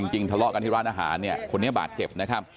ทะเลาะกันที่ร้านอาหารเนี่ยคนนี้บาดเจ็บนะครับ